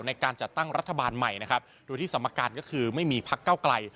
ในการจัดตั้งรัฐบาลใหม่นะครับโดยที่สมการก็คือไม่มีพักเก้าไกล